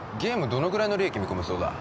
どのぐらいの利益見込めそうだ？